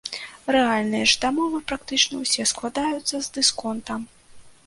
Рэальныя ж дамовы практычна ўсе складаюцца з дысконтам.